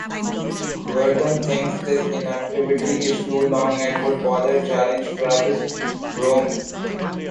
Werdum thinks this inactivity is too long and would rather challenge Travis Browne.